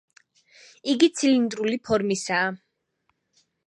იგი ცილინდრული ფორმისაა.